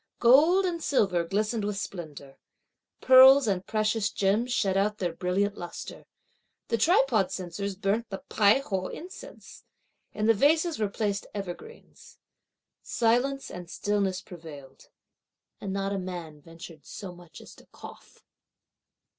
Gold and silver glistened with splendour. Pearls and precious gems shed out their brilliant lustre. The tripod censers burnt the Pai ho incense. In the vases were placed evergreens. Silence and stillness prevailed, and not a man ventured so much as to cough.